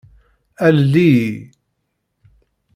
Alel-iyi.